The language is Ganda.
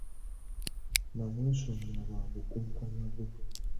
Namwesonyiwa lwa bukumpanya bwe.